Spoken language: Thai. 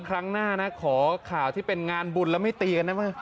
ครั้งหน้านะขอข่าวที่เป็นงานบุญแล้วไม่ตีกันได้ไหม